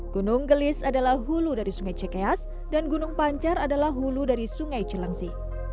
gunung gelis adalah hulu dari sungai cikeas dan gunung pancar adalah hulu dari sungai cilengsi